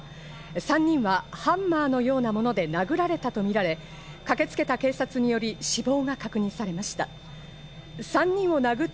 ３人はハンマーのようなもので殴られたとみられ、駆けつけた警察により、死亡が確認されました。